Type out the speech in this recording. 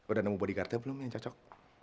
udah nemu bodyguardnya belum yang cocok